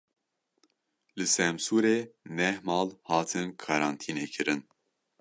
Li Semsûrê neh mal hatin karantînekirin.